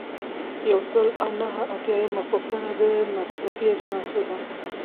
یو سل او نهه اتیایمه پوښتنه د مصرفي اجناسو ده.